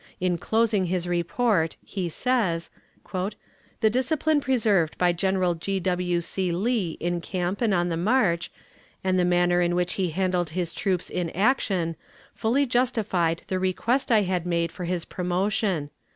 In closing his report be says: "The discipline preserved by General G. W. C. Lee in camp and on the march, and the manner in which he handled his troops in action, fully justified the request I had made for his promotion.